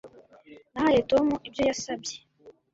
Nahaye Tom ibyo yasabye